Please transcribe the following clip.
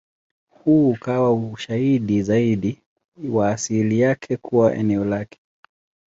Huu ukawa ushahidi zaidi wa asili yake kuwa eneo lake.